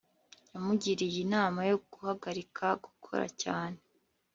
yamugiriye inama yo guhagarika gukora cyane